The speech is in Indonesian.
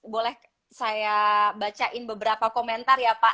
boleh saya bacain beberapa komentar ya pak